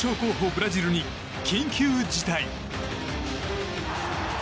ブラジルに緊急事態。